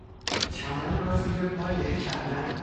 چمن را زیر پا له کردن